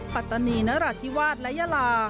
ปัตตานีนราธิวาสและยาลา